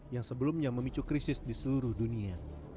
yang sebelumnya memicu krisis di seluruh dunia